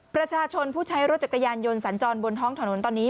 ประชาชนผู้ใช้รถจักรยานยนต์สัญจรบนท้องถนนตอนนี้